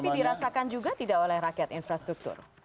tapi dirasakan juga tidak oleh rakyat infrastruktur